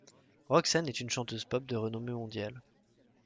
Roxane est une chanteuse pop de renommée mondiale.